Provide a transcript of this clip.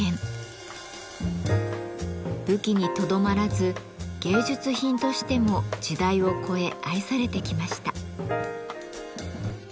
武器にとどまらず芸術品としても時代を越え愛されてきました。